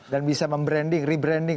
dan bisa membranding rebranding